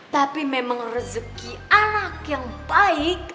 tapi memang rezeki anak yang baik